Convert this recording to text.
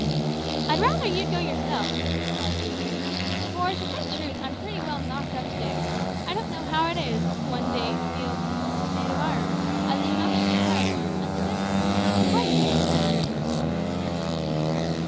"I'd rather you'd go yourself," replied Peterkin; "for, to say truth, I'm pretty well knocked up to day. I don't know how it is one day one feels made of iron, as if nothing could tire one; and the next, one feels quite weak and spiritless."